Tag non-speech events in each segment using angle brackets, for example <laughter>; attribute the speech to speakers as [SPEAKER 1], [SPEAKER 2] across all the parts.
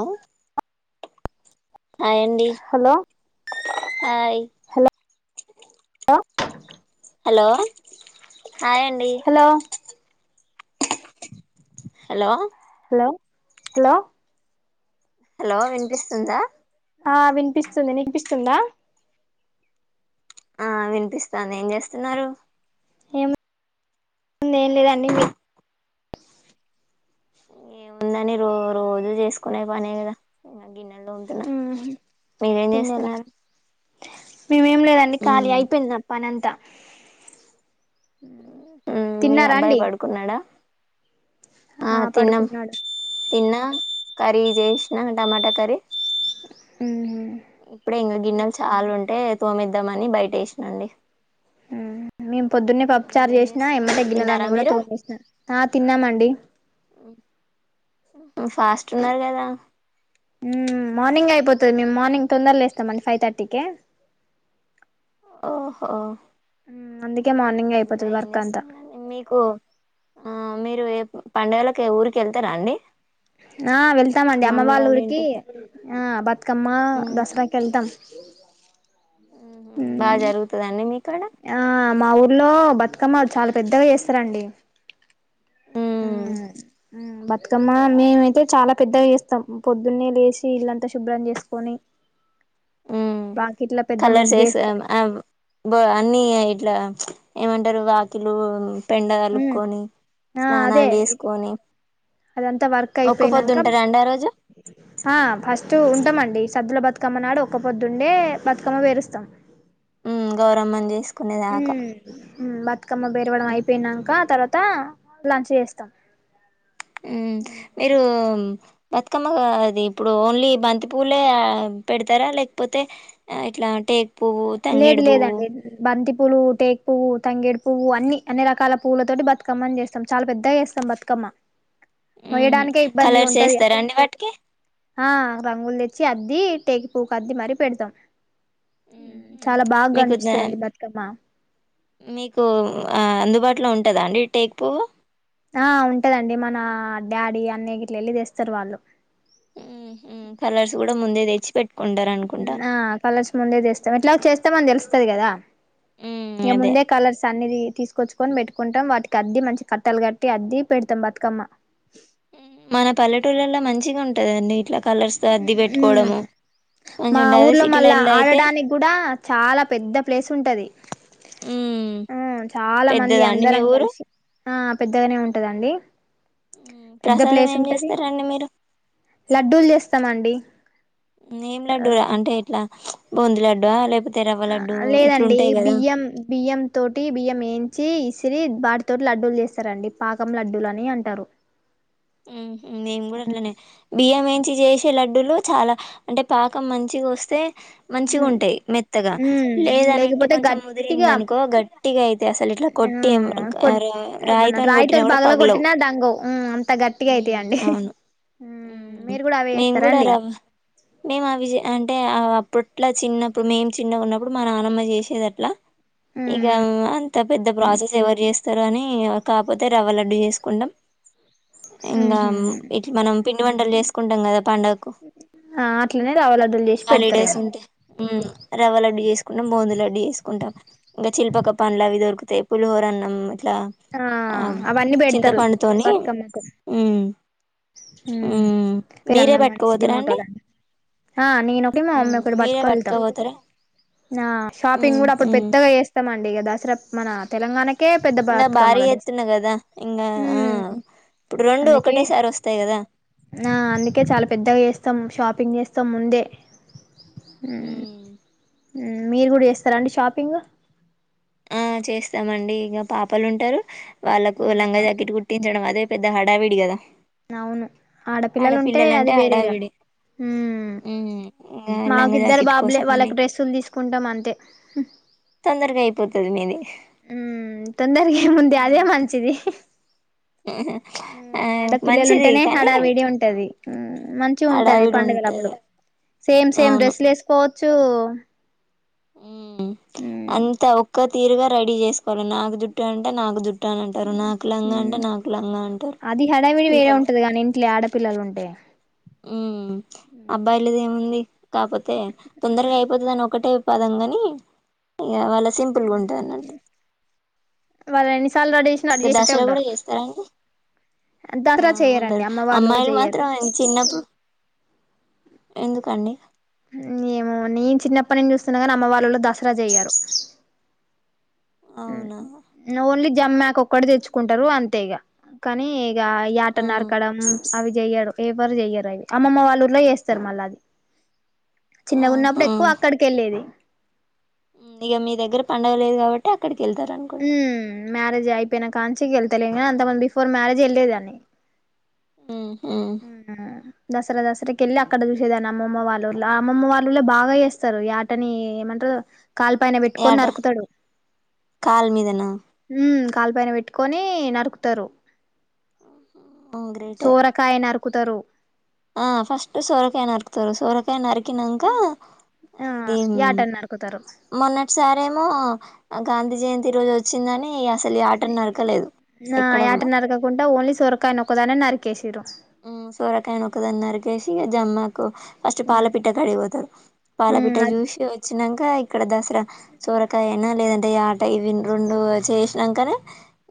[SPEAKER 1] అ హాయండి
[SPEAKER 2] hello
[SPEAKER 1] hi
[SPEAKER 2] hello
[SPEAKER 1] hello hi అండి
[SPEAKER 2] hello
[SPEAKER 1] hello
[SPEAKER 2] hello hello
[SPEAKER 1] hello వినిపిస్తుందా?
[SPEAKER 2] ఆ వినిపిస్తుంది, వినిపిస్తుందా?
[SPEAKER 1] ఆ వినిపిస్తాంది, ఏం చేస్తున్నారు?
[SPEAKER 2] ఏమ్, ఏం లేదండి మీరు?
[SPEAKER 1] ఏముందండి? రో రోజు చేసుకునే పనే కదా ఇంగ గిన్నెల్తోముతున్న, మీరేం చేస్తున్నారు?
[SPEAKER 2] మేమ్ ఏం లేదండి, కాలి
[SPEAKER 1] మ్మ్
[SPEAKER 2] అయిపోయింది నా పనంత. త్త
[SPEAKER 1] ఉమ్, మీ అబ్బాయి పడుకున్నడా? ఆ తిన్నం, తిన్న కర్రీ చేసినా టమాట కర్రీ. ఇప్పుడే ఇంగ గిన్నెలు చాల ఉంటే తోమిద్దామని బయట వేసినండి
[SPEAKER 2] మేము పొద్దున్నే
[SPEAKER 1] ఇంకా
[SPEAKER 2] పప్పుచారు
[SPEAKER 1] మీరేం
[SPEAKER 2] చేసినా ఎమ్మటే
[SPEAKER 1] చేస్తున్నారు తిన్నారా
[SPEAKER 2] గిన్నెలన్నీ కూడా
[SPEAKER 1] మీరు
[SPEAKER 2] తోమేసిన ఆ తిన్నామండి
[SPEAKER 1] ఉ ఫాస్ట్ ఉన్నారు కదా
[SPEAKER 2] పోతుంది మేము మార్నింగ్ తొందర లేస్తాం అండి ఫైవ్ థర్టీ కే
[SPEAKER 1] ఒహో
[SPEAKER 2] అందుకే మార్నింగ్
[SPEAKER 1] ఇంకా
[SPEAKER 2] అయిపోతది
[SPEAKER 1] ఏం
[SPEAKER 2] వర్క్ అంతా
[SPEAKER 1] చేస్తున్నారు అండి మీకు ఆ మీ నువ్వేకు పండుగలకి ఊరికి వెళ్తారా అండి
[SPEAKER 2] ఆ వెళ్తామండి అమ్మ
[SPEAKER 1] మమ్మీ
[SPEAKER 2] వాళ్ళ ఊరికి
[SPEAKER 1] ఇంటికి
[SPEAKER 2] ఆ బత్ కమ్మ దసరాకి వెళ్తాం ఇ
[SPEAKER 1] బాగ జరుగుతదండి మీకు
[SPEAKER 2] ఆ మా ఊర్లో బత్ కమ్మ చాలా పెద్దగా చేస్తారండి
[SPEAKER 1] హ్మ్.
[SPEAKER 2] ఉ బతుకమ్మ మేమైతే చాలా పెద్దగా చేస్తాం పొద్దున్నే లేచి ఇల్లంతా శుభ్రం చేసుకొని
[SPEAKER 1] ఉ
[SPEAKER 2] వాకిట్ల పెద్ద
[SPEAKER 1] కలర్స్ ఏసి
[SPEAKER 2] ముగ్గేస్తాం
[SPEAKER 1] వా అన్ని ఇట్లా ఏమంటారు వాకిలు పెండ కలుకొని
[SPEAKER 2] ఆ అదే
[SPEAKER 1] స్నానాలు చేసుకొని
[SPEAKER 2] అదంతా వర్క్
[SPEAKER 1] ఒక్క పొద్దు
[SPEAKER 2] అయిపోయినాక
[SPEAKER 1] ఉంటారా అండి ఆ రోజు
[SPEAKER 2] ఆ ఫస్ట్ ఉంటామండి సద్దుల బతుకమ్మ నాడు ఒక్క పొద్దుండే బతుకమ్మని వేరుస్తాం
[SPEAKER 1] ఉమ్ గౌరమ్మని చేస్ పునేదాక
[SPEAKER 2] ఉ బత్ అకమ్మ పెరవడం అయిపోయినాంక తర్వాత లంచ్ చేస్తాం
[SPEAKER 1] ఉ మీరు బతుకమ్మ అది ఇప్పుడు ఓన్లీ బంతి పూలే పెడతారా లేకపోతే ఇట్లా అంటే
[SPEAKER 2] లేదు లేదండి బంతి పులు టేక్ పవ్ తంగే పువ్వు అన్ని అన్ని రకాల పువ్వులతో బతుకమ్మని చేస్తాం చాలా పెద్దగా చేస్తాం బతుకమ్మ
[SPEAKER 1] మ్మ్
[SPEAKER 2] మొయ్యడానికే ఇబ్బంది
[SPEAKER 1] కలర్స్
[SPEAKER 2] ఉంటది
[SPEAKER 1] వేస్తారా అండి వాటికి
[SPEAKER 2] ఆ రంగులు తె చ్చి అద్ది టేకిపువ్కి అద్ది మరి పెడతాం
[SPEAKER 1] మ్మ్
[SPEAKER 2] చాలా బాగా
[SPEAKER 1] మీకు ద
[SPEAKER 2] కనిపిస్తది అండి బతుకమ్మ
[SPEAKER 1] మీకు ఆ అందుబాటులో ఉంటదా అండి టేక్ పువ్వు
[SPEAKER 2] ఆ ఉంటదండి మన డాడీ అన్నయ్య గిట్లా వెళ్ళితేస్తారు వాళ్ళు
[SPEAKER 1] కలర్స్ కూడా ముందే తెచ్చి పెట్
[SPEAKER 2] ఆ కలర్స్ ముందే తేస్తాం ఎట్లాగో చేస్ స్తామని తెలుస్తది కదా
[SPEAKER 1] మ్మ్
[SPEAKER 2] ఇగ
[SPEAKER 1] అదే
[SPEAKER 2] ముందే కలర్స్ అన్ని తీసుకొచ్చుకొని పెట్టు కొంటాం వాటికి అద్ది మంచి కట్టాలు కట్టి అద్ది పెడతాం బతుకమ్మ
[SPEAKER 1] మన పల్లెటూళ్ళలో మంచిగా ఉంట్ టదండి ఇట్లా కలర్స్ తో అద్ది పెట్టుకోవడము మంచిగా
[SPEAKER 2] మా
[SPEAKER 1] ఉంటది అదే
[SPEAKER 2] ఊర్లో మళ్ళా
[SPEAKER 1] సిటీలల్లో అయితే
[SPEAKER 2] ఆడడానికి కూడా చాలా పెద్ద ప్లేస్ ఉంటది
[SPEAKER 1] మ్మ్
[SPEAKER 2] హు చాలా మంది
[SPEAKER 1] పెద్దదా అండి మీ
[SPEAKER 2] అందరం
[SPEAKER 1] ఊరు
[SPEAKER 2] కలిసి ఆ పెద్దగానే ఉంటదండి పెద్ద
[SPEAKER 1] ప్రసాదం
[SPEAKER 2] ప్లేస్
[SPEAKER 1] ఏం
[SPEAKER 2] ఉంటది
[SPEAKER 1] చేస్తారండి మీరు
[SPEAKER 2] లడ్డూలు చేస్తామండి
[SPEAKER 1] బూందీ లడ్డ లేపోతే
[SPEAKER 2] ఆ లేదండి బియ్యం బియ్యం తోటి బియ్యం వేయించి ఇస్ సిరి వాటి తోటి లడ్డూలు చేస్తారండి పాకం లడ్డూలు అని అంటారు
[SPEAKER 1] ఉహ్మ్ మేం కూడా అట్లనే బియ్యం వేయించి చేసే లడ్డూలు చాలా అంటే పాకం మంచిగోస్తే మంచిగుంటయి మెత్తగా
[SPEAKER 2] ఉమ్
[SPEAKER 1] లేదనంటే
[SPEAKER 2] లేకపోతే
[SPEAKER 1] కొంచెం
[SPEAKER 2] గట్టిగా
[SPEAKER 1] ముదిరిందనుకో గట్టిగా అయితయి అసలు ఇట్లా
[SPEAKER 2] ఆ
[SPEAKER 1] కొట్టి
[SPEAKER 2] కొట్ మన
[SPEAKER 1] రాయితోని కొట్టినా
[SPEAKER 2] రాయితోటి
[SPEAKER 1] కూడా
[SPEAKER 2] పగల
[SPEAKER 1] పగలవు
[SPEAKER 2] కొట్టినా డంగవు అంత గట్టిగా అయితాయండి
[SPEAKER 1] అవును
[SPEAKER 2] మీరు కూడా అవే
[SPEAKER 1] మేము
[SPEAKER 2] చేస్తారా
[SPEAKER 1] కూడా
[SPEAKER 2] అండి
[SPEAKER 1] రవ్వ మేము అవిచెయ అంటే ఆ అవి అప్పుడ్ ఇట్లా చిన్నప్పుడు మేము చిన్నగున్నప్పు డు మా నానమ్మ చేసేదట్లా ఇక
[SPEAKER 2] మ్మ్
[SPEAKER 1] అంత పెద్ద ప్రాసెస్ ఎవరు చేస్ స్తారు అని కాపోతే రవ్వ లడ్డు చేసుకుంటాం ఇంగా
[SPEAKER 2] ఊహూ
[SPEAKER 1] ఇట్లా మనం పిండి వంటలు చేసుకుంటాం కదా పండగకు
[SPEAKER 2] ఆ అట్లనే రవ్వ లడ్డూలు చేసి
[SPEAKER 1] హాలిడేస్
[SPEAKER 2] పెడతారేమో
[SPEAKER 1] ఉంటే రవ్వలడ్డు చేసుకుంటాం బొందిలడ్డు చేసుకుంటం ఇగ చిల్పోకపండ్లు అవి దొరుకు తే పులిహోరన్నం
[SPEAKER 2] ఆ అవన్నీ బెడతరు
[SPEAKER 1] చింతపండుతోని
[SPEAKER 2] బతుకమ్ అగ
[SPEAKER 1] మ్మ్ మ్మ్ మీరే
[SPEAKER 2] పెదన్నమ్మాని సిద్ధి
[SPEAKER 1] పట్టుకపోతారా అండి
[SPEAKER 2] మోటలాంటిది ఆ నేనోటి మా మమ్మీ
[SPEAKER 1] మ్మ్
[SPEAKER 2] ఒటి
[SPEAKER 1] మీరే
[SPEAKER 2] పట్టుకొనివెళ్తాం
[SPEAKER 1] పట్టుకపోతారా
[SPEAKER 2] ఆ షాపింగ్
[SPEAKER 1] మ్మ్
[SPEAKER 2] కూడా అప్పుడు
[SPEAKER 1] మ్మ్
[SPEAKER 2] పెద్దగా చేస్తామం ం ఇ దసరా మన తెలంగాణ
[SPEAKER 1] ఇంకా భారీ ఎతున్నా కదా ఇంకా ఆ
[SPEAKER 2] ఉమ్
[SPEAKER 1] ఇప్పుడు రెండు
[SPEAKER 2] అందుకే
[SPEAKER 1] ఒకటేసారి వస్త
[SPEAKER 2] ఆ అందుకే చాలా పెద్దగా చేస్తాం ష షాపింగ్ చేస్తా ముందే ఆ
[SPEAKER 1] మ్మ్
[SPEAKER 2] మీరు కూడా చేస్తారా అండి షాపింగ్
[SPEAKER 1] ఆ చేస్తామండి ఇంకా పాపలు ఉంటారు వాళ్ళకు లంగా
[SPEAKER 2] అవునా
[SPEAKER 1] జాకెట్ కుట్టించడం అదే పెద్ద హడా విడి కదా
[SPEAKER 2] అవును ఆడపిల్లలు ఉంటే అది
[SPEAKER 1] ఆడపిల్లలంటే
[SPEAKER 2] వేరేగా
[SPEAKER 1] హడావిడి మ్మ్ ఇంగ
[SPEAKER 2] మాకి
[SPEAKER 1] లంగా
[SPEAKER 2] ఇద్దరు
[SPEAKER 1] జాకెట్
[SPEAKER 2] బాబులే
[SPEAKER 1] కోసం అని
[SPEAKER 2] వాళ్ళకి డ్రస్సులు తీసుకుంటాం అంతే
[SPEAKER 1] తొందరగా అయిపోతుంది మీది
[SPEAKER 2] ఉ తొందరకి ముందే అదే
[SPEAKER 1] హ్మ్.
[SPEAKER 2] మంచిధి
[SPEAKER 1] ఆ
[SPEAKER 2] ఆడపిల్లలు
[SPEAKER 1] మంచిది
[SPEAKER 2] ఉంటేనే
[SPEAKER 1] కానీ
[SPEAKER 2] హడవిడి ఉంటది మంచి ఉంటది
[SPEAKER 1] హడావిడి ఉంటది
[SPEAKER 2] పంండగలప్పుడు సేమ్ సేమ్
[SPEAKER 1] అవును
[SPEAKER 2] డ్రెస్లు వేసుకో చూ
[SPEAKER 1] అంత ఒక్క తీరుగా రెడీ చేసుకోవాలి నాకు జుట్టు అంటే నాకు జుట్టు చుట్టాలంటారు నాకు లంగా అంటే నాకు లంగా అంటారు పిల్లలు
[SPEAKER 2] పిల్లలు ఉంటే
[SPEAKER 1] ఉ అబ్బాయిలద ఏముంది కాకపోతే తొందరగా అయిపోతు దాని ఒకటే పదం కాని ఇ గ వాళ్ళ సింపుల్గా ఉంటాన్నట్
[SPEAKER 2] వాళ్ళని
[SPEAKER 1] ఇంకా దసరా కూడా చేస్తారాండి
[SPEAKER 2] దసరా చేయరండి అమ్మ వాళ్ళు కూడా చెయ్యరు
[SPEAKER 1] ఎందుకండి
[SPEAKER 2] ఏేమ నేను చిన్నప్పటి నుంచి చూస్తున్నా కానీ అమ్మ వాళ్ళలో దసర చెయ్యారు
[SPEAKER 1] అవునా
[SPEAKER 2] ఓన్లీ జమ్కు ఆకు ఒక్కడ తెచ్చుకుంటారు అంతే ఇగ కానీ ఇ యాట
[SPEAKER 1] ఆ
[SPEAKER 2] నరకడం అవి చెయ్యడు ఏవరు చెయ్యరు అవి అమ్మమ్మ వాళ్ళ ఊర్లో చేస్తారు మళ్ళా అది చిన్నగున్నప్పుడు
[SPEAKER 1] ఆహా
[SPEAKER 2] ఎక్కువ అక్కడికి వెళ్ళేది
[SPEAKER 1] ఇక మీ దగ్గర పండుగ లేదు కాబట్టి అక్కడికి కి వెళ్తారనుకోండి
[SPEAKER 2] ఉమ్ మ్యారేజ్ అయిపోయినా కాంచి ఇక వెళ్తలే అంత ముంది బిఫోర్ మ్యారేజ్ వెళ్లేదాని
[SPEAKER 1] ఊ
[SPEAKER 2] ఊ దసరా దసరాకకెళ్లి అక్కడ చూసేదానా అమ్మమ్మ వాళ్ళుళ్ల అమ్మమ్మ వాళ్ళ ఊళ్లే బాగా చేస్తారు యాటని ఏమంట్రూ కాలు పైన పెట్టుకొని
[SPEAKER 1] యాట
[SPEAKER 2] నరుకుతడు
[SPEAKER 1] కాలు మీదనా
[SPEAKER 2] కాలు పైన వెట్టుకొని నరుకుతరు
[SPEAKER 1] ఉ గ్రేటె
[SPEAKER 2] నరుకుతరు
[SPEAKER 1] ఆ ఫస్ట్ సోరకయ నరకుతరు సోరకాయ నరక్ కినంక
[SPEAKER 2] ఆ యాటన్ నరుకుతరు
[SPEAKER 1] మొన్నటి సారేమో గాంధీ జయంతి రోజు ఒచ్చిందని ఇగ
[SPEAKER 2] ఆ యాట నరకకుండా ఓన్లీ సొరకాయ నొక్కదానే నరక్ కేసిరో
[SPEAKER 1] ఉమ్ సోరకాయనొకదాని నరికేసి ఇగా జమ్మాకు కు ఫస్ట్ పాలపిటకాడికి ఒతరు
[SPEAKER 2] ఉమ్
[SPEAKER 1] పాలపిట్ట
[SPEAKER 2] అది
[SPEAKER 1] జ్యూసి ఒచ్చినం క ఇక్కడ దస్ ర సొరకాయ ఐనా లేదంటే యా ట ఇ విన్ రొండు చేసినకనే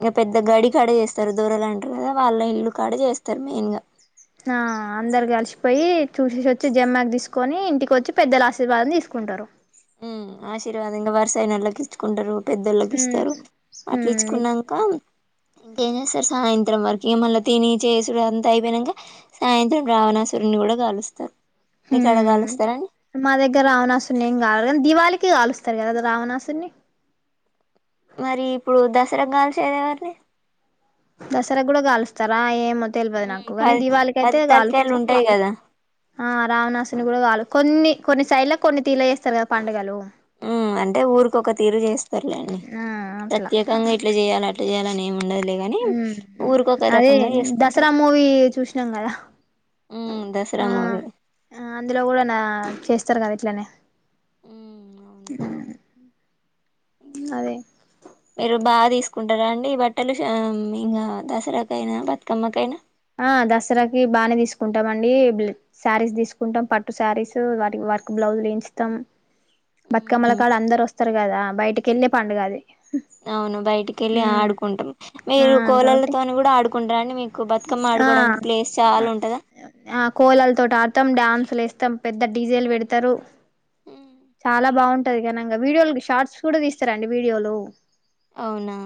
[SPEAKER 1] ఇగ పెద్ద గడి కడి ఏస్తరు దొరలు అంటారు కదా వాళ్ళ ఇల్లు కడ చేస్తారు మెయిన్ గా
[SPEAKER 2] ఆ అందరు గల్షి పోయి చూసేసి వచ్చి జమ్మాకు తీసుకొని ఇంటికి వచ్చి పెద్దల ఆశీర్వాదం తీసుకుంటారు
[SPEAKER 1] ఊమ్ ఆశీర్వాదం ఇంగ వరుసయినోల్లకి ఇచ్కుంటరు పెద్దళ్ళకి
[SPEAKER 2] ఉమ్
[SPEAKER 1] ఇస్తరు అట్లు
[SPEAKER 2] ఉమ్
[SPEAKER 1] ఇచ్చుకునంక ఇంకేం చేస్తారు సాయంత్రం వరకు ఇగ మళ్ళా తిని చేసుడు అది అంతా అయిపోయినంక సాయంత్రం రావణాసురుని కూడా గాలుస్తరు
[SPEAKER 2] హుమ్ మా దగ్గర రావణాసురుని ఏం గాల మేం దివాళికి గాలుస్తం కదా రావణాసురుని
[SPEAKER 1] మరి ఇప్పుడు దసరగాల్షేది ఎవరిది
[SPEAKER 2] దసరకు కూడా గాల్స్తారా ఏమో తెల్వదు
[SPEAKER 1] మ్మ్
[SPEAKER 2] నాకు కానీ
[SPEAKER 1] పది పది
[SPEAKER 2] దీవళికయితే
[SPEAKER 1] తలకాయలు
[SPEAKER 2] గాలుస్తా
[SPEAKER 1] ఉంటాయి కదా
[SPEAKER 2] కొన్ని కొన్ని సైడ్లకు కొన్ని తీర్ల చేస్తరు కదా పండగలు
[SPEAKER 1] ఉ అంటే ఊరికొక తీరు చేస్తారులేండి,
[SPEAKER 2] ఆ
[SPEAKER 1] ప్రత్యేకంగా ఇట్ల చేయాలి అట్ల చెయాలని ఏం ఉండదు
[SPEAKER 2] ఊమ్ అదే దసరా
[SPEAKER 1] చేసుకుంటారు
[SPEAKER 2] మూవీ చూసినం కదా
[SPEAKER 1] మ్మ్ దసరా మూవీ
[SPEAKER 2] అందులో కూడా నా చేస్తారు కద ఇట్లనే
[SPEAKER 1] మ్మ్ అవును
[SPEAKER 2] ఉ
[SPEAKER 1] ఇంకా
[SPEAKER 2] అదే
[SPEAKER 1] మీరు బా తీసుకుంటారా అండి బట్టలు ఆ ఇంగ దసరా కైనా, బతుకమ్మ కైనా.
[SPEAKER 2] ఆ దసరాకి బానే తీసుకుంటాం అండి. శారీస్ తీసుకుంటాం. పట్టు శారీస్ వాటి వర్క్ బ్లౌజ్లు వేయించుతాం. బతుకమ్మల
[SPEAKER 1] మ్మ్
[SPEAKER 2] కాడ అందరు వస్తరు కదా బయటకెళ్ళే పండుగ అది
[SPEAKER 1] అవును బయటికి వెళ్ళి
[SPEAKER 2] ఉమ్
[SPEAKER 1] ఆడుకుంటాం.
[SPEAKER 2] ఆ
[SPEAKER 1] మీరు
[SPEAKER 2] కాబట్టి
[SPEAKER 1] కోలలతోని కూడా ఆడుకుంటారాండి. ఉంటదా
[SPEAKER 2] ఆ కోలల తోటి ఆడతాం డ్యాన్స్ అసలు ఏస్తాం పెద్ద డి జే లు పెడతరు. చాలా బాగుంటది. గణంగా వీడియోలు షార్ట్స్ కూడా తీస్తారండి. వీడియోలు
[SPEAKER 1] అవునా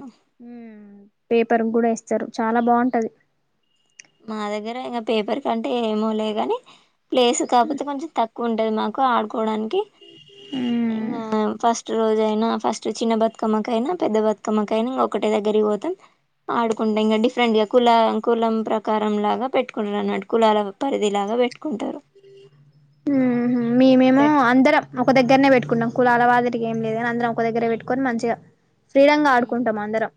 [SPEAKER 2] ఉమ్ ఉ పేపర్ కూడా ఇస్తారు చాలా బాగుంటది
[SPEAKER 1] మా దగ్గర ఇంగ పేపర్ కంటే ఏమోలే గని ప్లేస్ కాకపోతే కొంచెం తక్ కువ ఉంటది మాకు ఆడుకోవడానికి కి
[SPEAKER 2] ఉమ్
[SPEAKER 1] ఇంగా ఫస్ట్ ఫస్ట్ రోజయినా ఫస్ట్ చిన్న బతుకమ్మకైన, పెద్ద బతుకమ్మకైన, ఒకటే దగ్గరికి పోతాం. ఆడుకుంటాం. ఇంగా డిఫరెంట్ గా కుల కు ప్ర కారం లాగా పెట్టుకుంటారు అనమాట. కులాల పరిధి లాగా పెట్టుకుంటరు.
[SPEAKER 2] ఉ హు మేమేమో
[SPEAKER 1] పెట్టుకో
[SPEAKER 2] అందరం ఒక దగ్గరనే పెట్టుకున్ ట్కున్నాం కులాల వాదిరిగి ఏం లేదు గాని అందరం ఒక దగ్గరే పెట్టుకొని మంచిగా ఫ్రీడం గా
[SPEAKER 1] మ్మ్
[SPEAKER 2] ఆడుకుంటాం అందరం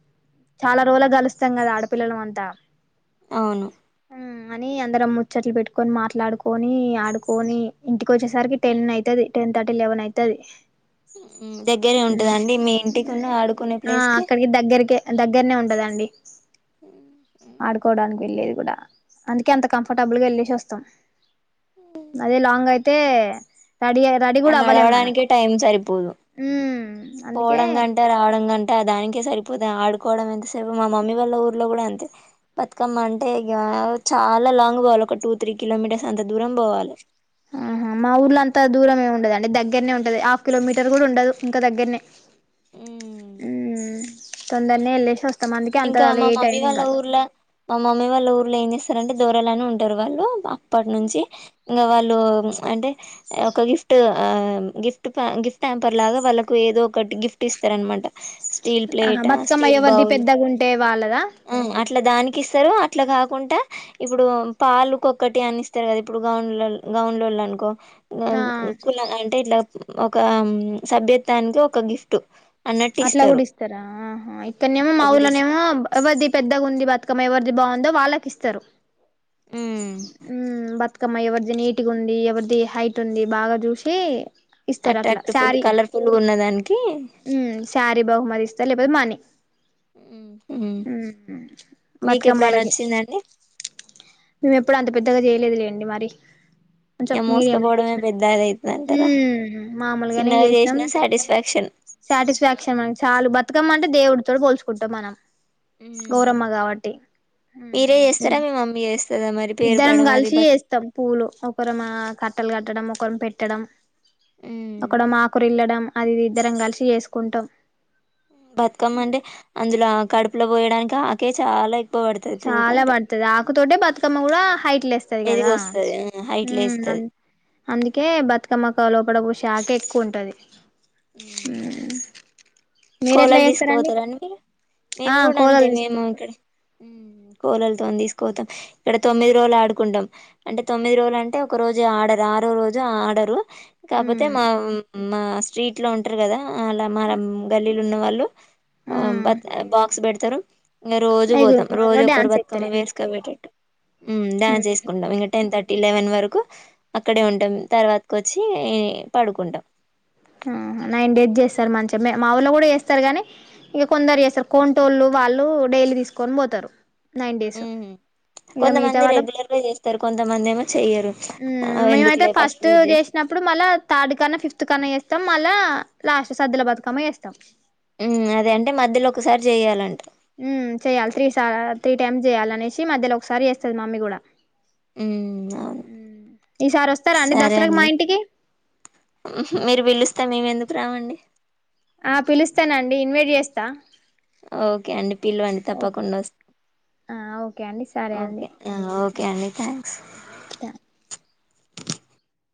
[SPEAKER 2] చాలా
[SPEAKER 1] మ్మ్
[SPEAKER 2] రోజులు కలుస్తాం కదా ఆడు పిల్లలం అంత్
[SPEAKER 1] అవును
[SPEAKER 2] కానీ అందరం ముచ్చట్లు పెట్టుకొని మాట్లాడుకొని ని ఆడుకొని ఇంటికి వచ్చేసరికి టెన్ అయితది. టెన్ థర్టీ లెవెన్ అయితది.
[SPEAKER 1] దగ్గరే
[SPEAKER 2] ఉమ్
[SPEAKER 1] ఉంటదండి మీ ఇంటికిన్న ఆడుకునే
[SPEAKER 2] ఆ
[SPEAKER 1] ప్లేస్ కి
[SPEAKER 2] అక్కడికి దగ్గరికే దగ్గరనే ఉంటదండి ఆడుకోడానికి వెళ్లేది కూడా అందుకే అంత కంఫర్టబుల్ గా వెళ్లేేసి వస్తాం అదే లాంగ్ అయిత్ తే
[SPEAKER 1] అండ్ నడవడానికే టైం సరిపోదు.
[SPEAKER 2] ఉమ్ అందుకే
[SPEAKER 1] పోవడం గంట, రావడం గంట దానికే సరిపోయిన ఆడు కోవడం ఎంతసేపు మా మమ్మీ వాళ్ళ ఊర్లో కూడా అంతే బతుకమ్మ అంటే, ఇగ చాలా లాంగ్ పోవాలి. ఒక టూ, త్రీ కిలోమీటర్స్ అంత దూరం పోవాలి.
[SPEAKER 2] ఆహా మా ఊర్లో అంత దూరం ఏమి ఉండదు అండి. దగ్గరనే ఉంటది. హాఫ్ కిలోమీటర్ కూడా ఉండదు. ఇంకా దగ్గరనే
[SPEAKER 1] ఉమ్.
[SPEAKER 2] ఉహు తొందరనే లెసస్
[SPEAKER 1] ఇంకా మా మమ్మీ వాళ్ళ ఊర్ల మా మమ్మీ వాళ్ళ ఊర్లో ఏం చేస్తారంటే దూరాలని ఉం టర్ వాళ్ల్ మ అప్పటి నుంచి ఇంకా వాళ్ళు అంటే ఒక గిఫ్ట్ ఆ గిఫ్ట్ గిఫ్ట్ హంపర్ లాగా వాళ్ళకు ఏదో ఒకటి గిఫ్ట్ ఇస్తరనమాట.
[SPEAKER 2] ఆహా బతుకమ్మ ఎవర్ది పెద్ద గుం వాళ్ళదా
[SPEAKER 1] ఉమ్ అట్లా దానికి ఇస్తరు. అట్లా కాకుండా ఇప్పుడు పాలు కొక్కటి అని ఇస్తరు కదా ఇప్పుడు గౌన్ల గౌన్లోళ్లు అనుకో
[SPEAKER 2] ఆ
[SPEAKER 1] ఇంక కులా అంటే ఇట్లా ఒక సభ్యత్వానికి ఒక గిఫ్ట్ అన్నట్టు
[SPEAKER 2] అట్లా
[SPEAKER 1] ఇస్తారు
[SPEAKER 2] కూడా ఇస్తారా ఆహా
[SPEAKER 1] ఉమ్,
[SPEAKER 2] ఇక్కడనేమో
[SPEAKER 1] అట్లా కూడా ఇస్
[SPEAKER 2] మాఊలోనేమో ఎవరిది పెద్దగుంది బతుకమ్మ ఎవరిది బాగుందో వాళ్ళకి ఇస్తరు.
[SPEAKER 1] ఉమ్
[SPEAKER 2] ఉ బతు కమ్మ ఎవరిది నీట్గ ఉంది ఎవరిది హైట్ ఉంది బాగా చూసి ఇస్తారు అట్లా
[SPEAKER 1] అట్రాక్ట్ ఫుల్
[SPEAKER 2] శారీ
[SPEAKER 1] కలర్ఫుల్ గ ఉన్న దానికి
[SPEAKER 2] చలిపోది మని <unintelligible>
[SPEAKER 1] మీకెప్పుడైనా
[SPEAKER 2] బతుకమ్మలకి
[SPEAKER 1] వచ్చిందండి
[SPEAKER 2] మేము ఎప్పుడు అంత పెద్దగా చేయలేదు లేండి మరి కొంచం
[SPEAKER 1] ఇగ
[SPEAKER 2] మీడియం గ
[SPEAKER 1] మోసుకపోవడమే
[SPEAKER 2] చేసినా.
[SPEAKER 1] పెద్ద అది అయితది
[SPEAKER 2] ఊ
[SPEAKER 1] అంటారా
[SPEAKER 2] మామూలుగానే
[SPEAKER 1] చిన్నగా
[SPEAKER 2] చేసినం
[SPEAKER 1] చేసినా సాటిస్ఫాక్షన్
[SPEAKER 2] సాటిస్ఫాక్షన్ చాలు బతుకమ్మ అంటే దేవుడుతోటి పోల్చుకుంటాం మనం
[SPEAKER 1] ఉమ్
[SPEAKER 2] గౌరమ్మ కాబట్టి
[SPEAKER 1] మీరే చేస్తారా మీ మమ్మీ చేస్తదా మరి పేరు
[SPEAKER 2] ఇద్దరం
[SPEAKER 1] పడడం అది
[SPEAKER 2] కలిసి
[SPEAKER 1] బత్
[SPEAKER 2] చేస్తం పూలు ఒకరు మా కట్టలు కట్టడం ఒక రం పెట్టడం
[SPEAKER 1] ఉమ్
[SPEAKER 2] ఒకడు మాకురిల్లడం అది ఇది ఇద్దరం కలిసి చేసుకుంటం.
[SPEAKER 1] బతుకమ్మ అంటే అందులో కడుపులో పోయడానికి కక చాలైక్ <unintelligible>
[SPEAKER 2] చాలా పడుతది ఆకుతోటే బతుకమ్మ కూడా హైట్ లేస్తది కదా
[SPEAKER 1] ఎదిగొస్తది ఆ హైట్
[SPEAKER 2] ఊ అం
[SPEAKER 1] లేస్తది
[SPEAKER 2] అందుకే బతుకమ్మ లోపడ పొసే ఆకే ఎక్కువ ఉంటది
[SPEAKER 1] హ్మ్
[SPEAKER 2] అ
[SPEAKER 1] అవును. కోలలు తీసుకుపోతారండి మీరు
[SPEAKER 2] ఆ
[SPEAKER 1] మేము కూడా అంతే
[SPEAKER 2] కోలలు
[SPEAKER 1] మేము
[SPEAKER 2] తీస్తారు
[SPEAKER 1] ఇక్కడ కోలలతోని తీసుకపోతం. ఇక్కడ తొమ్మిది రోజులు ఆడుకుంటాం. అంటే తొమ్మిది రోజులు అంటే ఒక రోజు ఆడరు ఆరో రోజు ఆడరు. కాకపోతే
[SPEAKER 2] ఉమ్
[SPEAKER 1] మా మా స్ట్రీట్ లో ఉంటారు కదా అలా మర వీలు ఉన్నవాళ్ళు
[SPEAKER 2] ఉమ్
[SPEAKER 1] బాక్స్ బెడతారు ఇంగా రోజు
[SPEAKER 2] ఇగో
[SPEAKER 1] పోతాం
[SPEAKER 2] మళ్ళ
[SPEAKER 1] రోజు ఒక్కరు
[SPEAKER 2] డ్యాన్స్ ఎత్తారే
[SPEAKER 1] బతుకమ్మ వేసుకబోయేటట్టు హ్మ్
[SPEAKER 2] ఉమ్
[SPEAKER 1] డాన్స్ ఏసుకుంటాం ఇంగ టెన్ థ టి లెవెన్ వరకు అక్కడే ఉంటాం తర్వాత కి వచ్చి పడుకుంటాం.
[SPEAKER 2] ఆ నైన్ డేస్ జేస్తారు మంచిగా మా ఊళ్ళ కూడా చేస్తారు గాని ఇంక కొందరు చేస్తారు కొంటోళ్ళు వాళ్ళు డైలీ తీసుకొని పోతారు. నైన్ డేస్
[SPEAKER 1] మ్మ్
[SPEAKER 2] ఇగ మిగతా
[SPEAKER 1] కొంతమంది
[SPEAKER 2] వాళ్ళం
[SPEAKER 1] రెగ్యులర్ గా చేస్తారు కొంతమంది ఏమో చెయ్యరు
[SPEAKER 2] హ్మ్
[SPEAKER 1] ఆహ్,
[SPEAKER 2] మేమైతే
[SPEAKER 1] ఎందుకులే
[SPEAKER 2] ఫస్ట్
[SPEAKER 1] రోజు చేసి
[SPEAKER 2] చేసినప్పుడు మళ్ళా థర్డ్ కన్నా ఫిఫ్త్ కన్నా చే మళ్ళ లాస్ట్ సద్దదుల బతుకమ్మ వేస్తాం
[SPEAKER 1] హ్మ్ అదే అంటే మధ్యలో ఒకసారి చెయాలంట
[SPEAKER 2] హ్మ్ చెయాలి త్రీ సాల త్రీ టైమ్ జేయాలనేసి మధ్యలో ఒకసారి చేస్తది మమ్మీ గూడా
[SPEAKER 1] హ్మ్ అవును
[SPEAKER 2] ఈసారి వస్తారా
[SPEAKER 1] సరే
[SPEAKER 2] దసరాకి మా
[SPEAKER 1] అండి
[SPEAKER 2] ఇంటికి
[SPEAKER 1] మీరు పిలుస్తా మేమెందుకు రామండి
[SPEAKER 2] ఆ పిలుస్తానండి ఇన్వైట్ చేస్తా
[SPEAKER 1] ఓకే అండి పిలవండి
[SPEAKER 2] ఓకే
[SPEAKER 1] తప్పకుండా వస్
[SPEAKER 2] ఓకే అండి సరే
[SPEAKER 1] ఓకే
[SPEAKER 2] అండి
[SPEAKER 1] ఓకే అండి థ్యాంక్స్